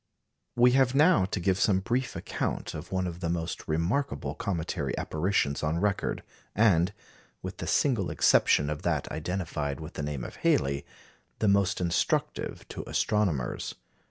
We have now to give some brief account of one of the most remarkable cometary apparitions on record, and with the single exception of that identified with the name of Halley the most instructive to astronomers.